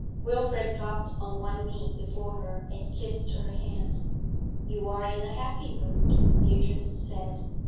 Wilfrid dropped on one knee before her and kissed her hand. 'You are in a happy mood,' Beatrice said.